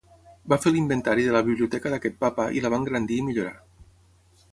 Va fer l'inventari de la Biblioteca d'aquest Papa i la va engrandir i millorar.